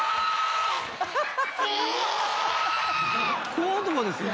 小男ですよ。